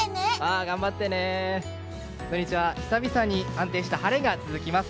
土日は久々に安定した晴れが続きます。